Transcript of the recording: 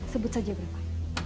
sebut saja berapa